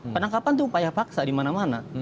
penangkapan itu upaya paksa dimana mana